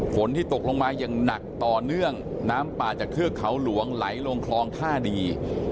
ฝนที่ตกลงมาอย่างหนักต่อเนื่องน้ำป่าจากเทือกเขาหลวงไหลลงคลองท่าดี